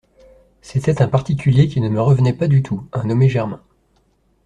C'était un particulier qui ne me revenait pas du tout, un nommé Germain.